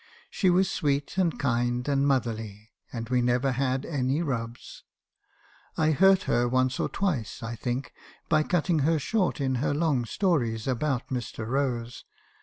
She was sweet, and kind, and motherly, and we never had any rubs. 1 hurt her once or twice, I think, by cutting her short in her long stories about Mr. Rose.